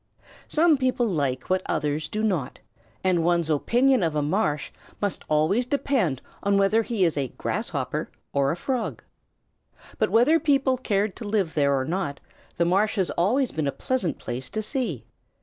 Some people like what others do not, and one's opinion of a marsh must always depend on whether he is a Grasshopper or a Frog. But whether people cared to live there or not, the marsh had always been a pleasant place to see.